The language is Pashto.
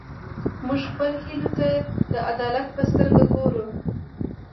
موږ خپلو هیلو ته د عدالت په سترګه ګورو.